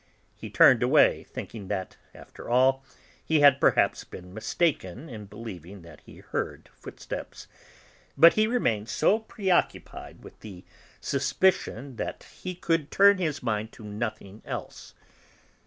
He turned away, thinking that, after all, he had perhaps been mistaken in believing that he heard footsteps; but he remained so preoccupied with the suspicion that he could turn his mind to nothing else.